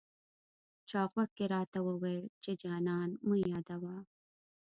چا غوږ کي راته وويل، چي جانان مه يادوه